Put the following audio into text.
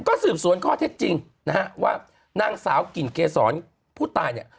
ก็สืบสวนข้อเท็จจริงนะฮะว่านางสาวกลิ่นเกษรผู้ตายเนี่ย